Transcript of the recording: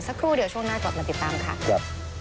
สักครู่เดี๋ยวช่วงหน้ากลับมาติดตามค่ะครับ